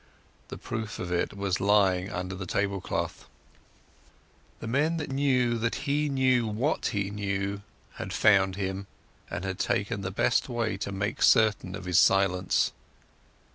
The proof of it was lying under the table cloth. The men who knew that he knew what he knew had found him, and had taken the best way to make certain of his silence.